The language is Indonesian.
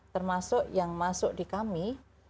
termasuk yang masuk di kami